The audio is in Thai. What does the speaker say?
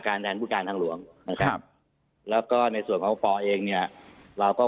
แทนผู้การทางหลวงนะครับแล้วก็ในส่วนของปอเองเนี่ยเราก็